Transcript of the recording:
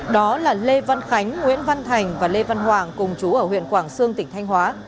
đó là lê văn khánh nguyễn văn thành và lê văn hoàng cùng chú ở huyện quảng sương tỉnh thanh hóa